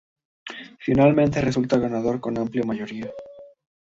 Finalmente resulta ganador con amplia mayoría.